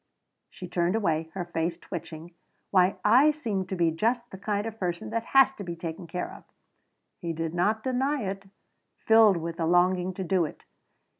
She turned away, her face twitching. "Why I seem to be just the kind of a person that has to be taken care of!" He did not deny it, filled with the longing to do it.